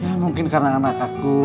ya mungkin karena anak aku